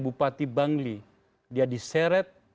bupati bangli dia diseret